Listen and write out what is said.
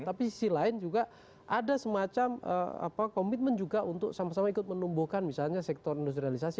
tapi sisi lain juga ada semacam komitmen juga untuk sama sama ikut menumbuhkan misalnya sektor industrialisasi